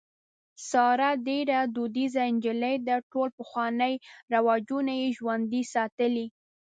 ساره ډېره دودیزه نجلۍ ده. ټول پخواني رواجونه یې ژوندي ساتلي.